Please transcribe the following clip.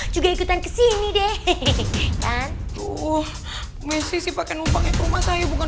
juga ikutan kesini deh hehehe dan tuh misi pakai rumah saya bukan